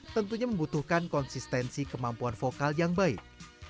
tentunya membutuhkan konsistensi kemampuan vokal yang baik